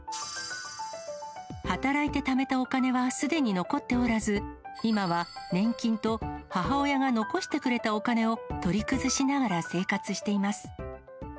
働いてためたお金は、すでに残っておらず、今は年金と母親が残してくれたお金を取り崩しながら生活しています。